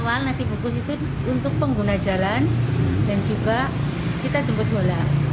awal nasi bukus itu untuk pengguna jalan dan juga kita jemput bola